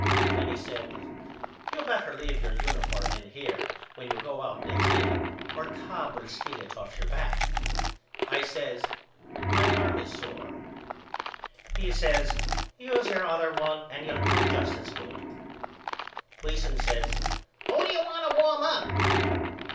Then he says You better leave your uniform in here when you go out next inning or Cobb will steal it off your back. I says My arm is sore. He says Use your other one and you'll do just as good. Gleason says Who do you want to warm up?